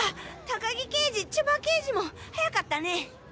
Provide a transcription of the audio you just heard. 高木刑事千葉刑事も早かったね。